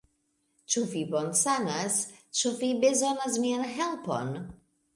Ĉu vi bonsanas? Ĉu vi bezonas mian helpon?